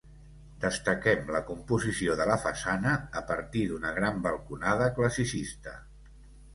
Destaquem la composició de la façana a partir d'una gran balconada classicista.